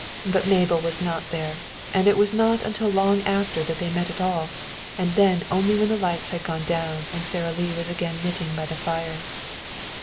But Mabel was not there, and it was not until long after that they met at all, and then only when the lights had gone down and Sara Lee was again knitting by the fire.